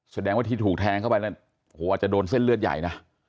แสดงว่าที่ถูกแทงเข้าไปแล้วโหอาจจะโดนเส้นเลือดใหญ่นะ